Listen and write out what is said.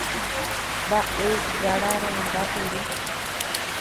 Mba'ejararenda puru.